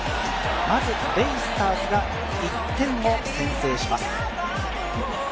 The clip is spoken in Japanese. まずベイスターズが１点を先制します。